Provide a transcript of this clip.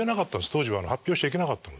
当時は発表しちゃいけなかったので。